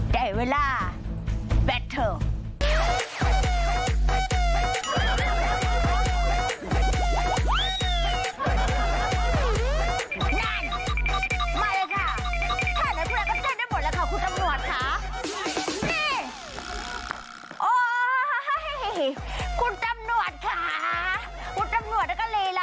ได้เวลาแบตเทิล